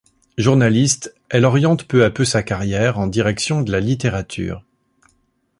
Journaliste, elle oriente peu à peu sa carrière en direction de la littérature.